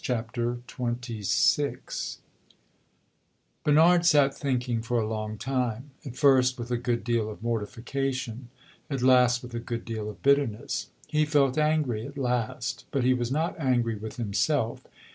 CHAPTER XXVI Bernard sat thinking for a long time; at first with a good deal of mortification at last with a good deal of bitterness. He felt angry at last; but he was not angry with himself.